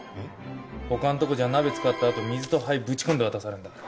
他んとこじゃ鍋使ったあと水と灰ぶち込んで渡されんだ